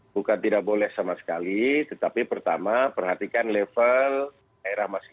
bukan tidak boleh sama sekali tetapi pertama perhatikan level daerah masing masing